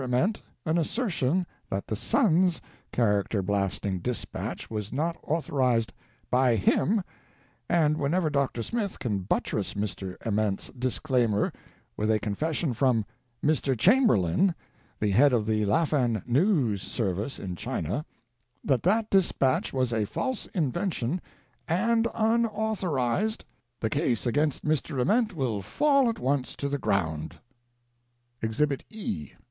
Ament an assertion that the Sun's character blasting dispatch was not authorized ly him, and whenever Dr. Smith can buttress Mr. Ament's disclaimer with a confession from Mr. Chamberlain, the head of the Laffan News Service in China, that that dispatch was a false inven tion and unauthorized, the case against Mr. Ament will fall at once to the ground." EXHIBIT E.